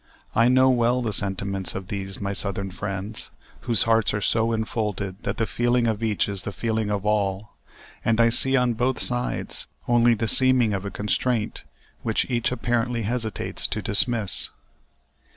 I know well the sentiments of these my Southern friends, whose hearts are so infolded that the feeling of each is the feeling of all; and I see on both sides only the seeming of a constraint which each apparently hesitates to dismiss.